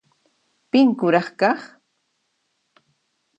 Pin kuraq kaq?